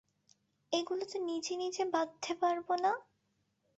এগুলো তো নিজে নিজে বাঁধতে পারবো না।